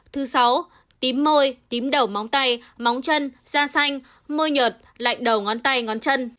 thứ sáu tím môi tím đầu móng tay móng chân da xanh môit lạnh đầu ngón tay ngón chân